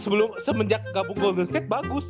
dia semenjak gabung golden state bagus